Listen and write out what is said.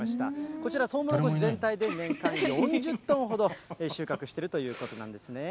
こちら、とうもろこし全体で年間４０トンほど収穫しているということなんですね。